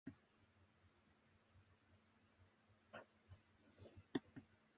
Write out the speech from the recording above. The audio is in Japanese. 閉じたものが一点を中心とする円の如く表象されるとすれば、開いたものは到る処中心を有する円の如く表象されるであろう。